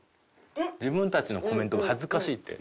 自分たちのコメントが恥ずかしいって。